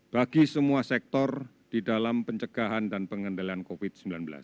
bagi semua sektor di dalam pencegahan dan pengendalian covid sembilan belas